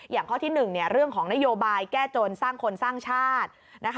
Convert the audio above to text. ข้อที่๑เรื่องของนโยบายแก้จนสร้างคนสร้างชาติ